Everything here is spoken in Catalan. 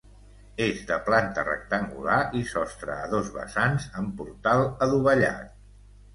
És de planta rectangular i sostre a dos vessants, amb portal adovellat.